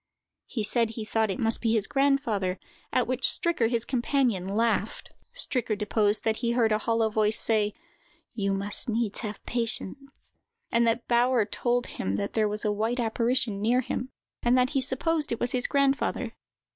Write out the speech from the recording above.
He said he thought it must be his grandfather, at which Stricker, his companion, laughed. Stricker deposed that he heard a hollow voice say: "You must needs have patience;" and that Bauer told him that there was a white apparition near him, and that he supposed it was his grandfather.